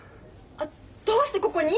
どうしてここに？